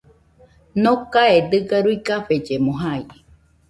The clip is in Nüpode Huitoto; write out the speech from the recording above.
Nokae dɨga ruikafellemo jai